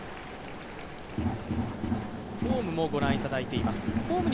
フォームもご覧いただいています